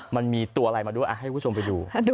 มันมีตัวอะไรมาด้วยให้คุณผู้ชมไปดู